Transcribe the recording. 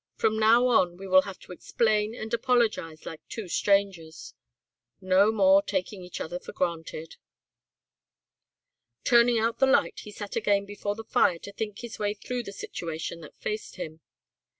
"From now on we will have to explain and apologise like two strangers. No more taking each other for granted." Turning out the light he sat again before the fire to think his way through the situation that faced him.